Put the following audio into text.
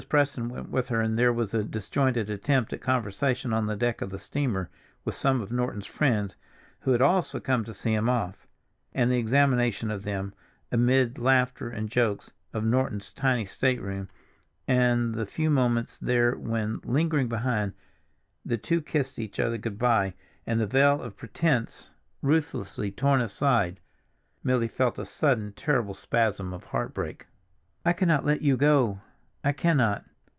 Preston went with her, and there was a disjointed attempt at conversation on the deck of the steamer with some of Norton's friends who had also come to see him off, and the examination with them, amid laughter and jokes, of Norton's tiny stateroom, and the few moments there when, lingering behind, the two kissed each other good by, and, the veil of pretense ruthlessly torn aside, Milly felt a sudden terrible spasm of heartbreak. "I cannot let you go—I cannot!"